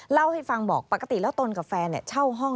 เล่าให้ฟังบอกปกติแล้วตนกับแฟนเช่าห้อง